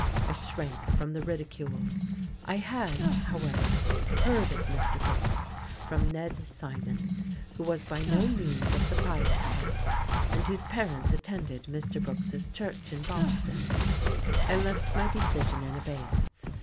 I shrank from the ridicule. I had, however, heard of Mr. Brooks from Ned Symonds, who was by no means of the pious type, and whose parents attended Mr. Brooks's church in Boston.... I left my decision in abeyance.